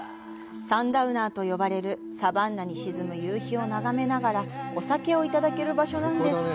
サンダウナーと呼ばれるサバンナに沈む夕日を眺めながらお酒をいただける場所なんです。